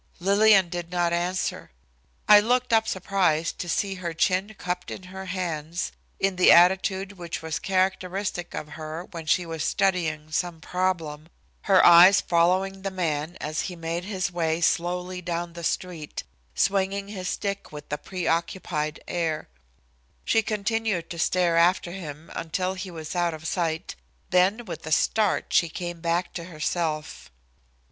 Lillian did not answer. I looked up surprised to see her chin cupped in her hands, in the attitude which was characteristic of her when she was studying some problem, her eyes following the man as he made his way slowly down the street, swinging his stick with a pre occupied air. She continued to stare after him until he was out of sight, then with a start, she came back to herself.